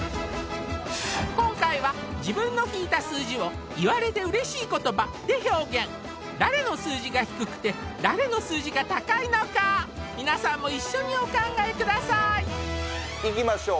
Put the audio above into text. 今回は自分の引いた数字を「言われて嬉しい言葉」で表現誰の数字が低くて誰の数字が高いのか皆さんも一緒にお考えくださいいきましょう